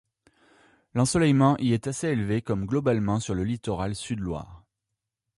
L'ensoleillement y est assez élevé comme globalement sur le littoral sud-Loire.